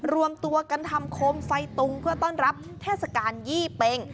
รวมตัวกันทำโคมไฟตุงเพื่อต้อนรับเทศกาลยี่เป็ง